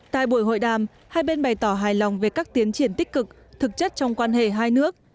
tại buổi hội đàm hai bên bày tỏ hài lòng về các tiến triển tích cực thực chất trong quan hệ hai nước